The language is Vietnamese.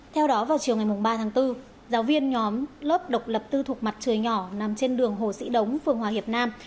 theo đó vào chiều ngày ba tháng bốn giáo viên nhóm lớp độc lập tư thục mặt trời nhỏ nằm trên đường hồ sĩ đống phường hòa hiệp nam